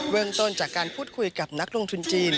เรื่องต้นจากการพูดคุยกับนักลงทุนจีน